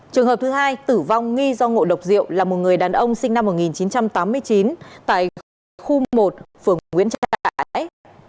trường hợp thứ hai tử vong nghi do ngộ độc rượu là một người đàn ông sinh năm một nghìn chín trăm tám mươi chín tại khu một phường nguyễn trãi